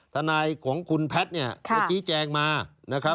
ทนายของคุณแพทย์ของจี้แจงมา